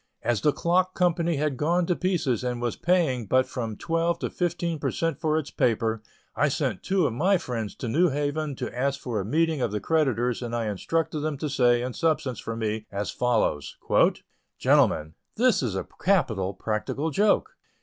As the clock company had gone to pieces and was paying but from twelve to fifteen per cent for its paper, I sent two of my friends to New Haven to ask for a meeting of the creditors and I instructed them to say in substance for me as follows: "Gentlemen: This is a capital practical joke!